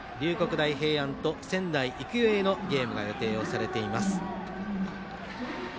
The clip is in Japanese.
大平安と仙台育英のゲームが予定されています。